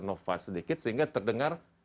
nova sedikit sehingga terdengar